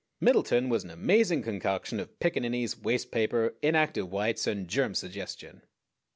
Middleton was an amazing concoction of piccaninnies, waste paper, inactive whites, and germ suggestion.